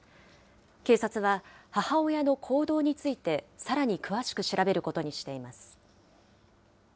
警察は、母親の行動について、さらに詳しく調べることにしています。